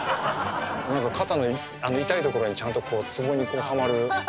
肩の痛いところにちゃんとこうツボにはまる。